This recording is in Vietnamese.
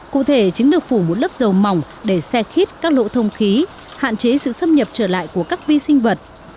sau đó trứng được phủ một lớp dầu mỏng để xe khít các lỗ thông khí hạn chế sự xâm nhập trở lại của các vi sinh vật